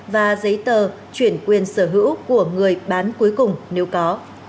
và giấy tờ chuyển quyền sở hữu của người bán cuối cùng nếu có